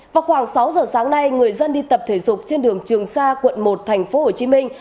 vào khoảng sáu giờ sáng nay người dân đi tập thể dục trên đường trường sa quận một thành phố hồ chí minh